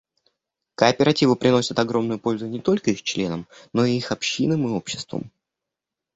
Кооперативы приносят огромную пользу не только их членам, но и их общинам и обществам.